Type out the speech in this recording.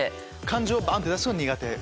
感情をバンって出すのが苦手？